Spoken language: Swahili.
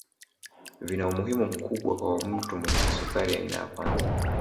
Vina umuhimu mkubwa kwa mtu mwenye kisukari aina ya kwanza